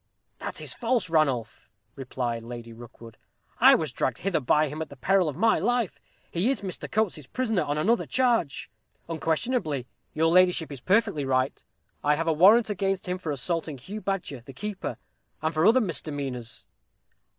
"That is false, Ranulph," replied Lady Rookwood. "I was dragged hither by him at the peril of my life. He is Mr. Coates's prisoner on another charge." "Unquestionably, your ladyship is perfectly right; I have a warrant against him for assaulting Hugh Badger, the keeper, and for other misdemeanors."